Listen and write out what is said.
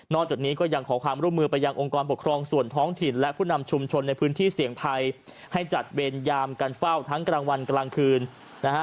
จากนี้ก็ยังขอความร่วมมือไปยังองค์กรปกครองส่วนท้องถิ่นและผู้นำชุมชนในพื้นที่เสี่ยงภัยให้จัดเวรยามกันเฝ้าทั้งกลางวันกลางคืนนะฮะ